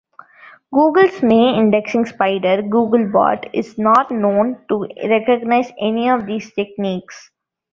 Google's main indexing spider, Googlebot, is not known to recognize any of these techniques.